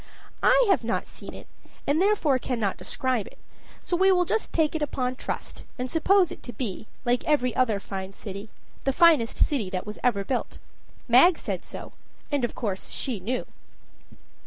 I have not seen it, and therefore cannot describe it, so we will just take it upon trust, and suppose it to be, like every other fine city, the finest city that ever was built. Mag said so and of course she knew.